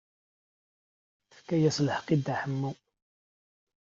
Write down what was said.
Tefka-as lḥeqq i Dda Ḥemmu.